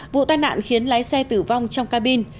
vụ tai nạn khiến lái xe tử vong trong cabin